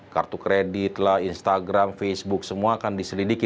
kartu kredit lah instagram facebook semua akan diselidiki